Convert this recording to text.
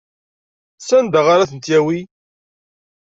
Sanda ara ten-yawi?